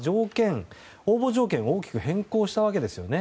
応募条件を大きく変更したわけですよね。